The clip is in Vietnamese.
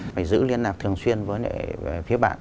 phải giữ liên lạc thường xuyên với phía bạn